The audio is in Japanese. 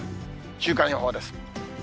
週間予報です。